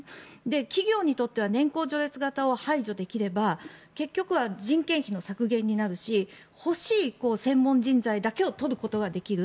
企業にとっては年功序列型を排除できれば結局は人件費の削減になるし欲しい専門人材だけを取ることができる。